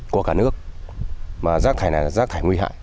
của cả nước mà rác thải này là rác thải nguy hại